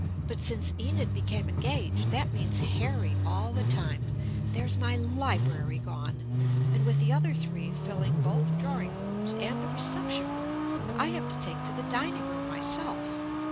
"But since Enid became engaged, that means Harry all the time there's my library gone; and with the other three filling both drawing rooms and the reception room, I have to take to the dining room, myself!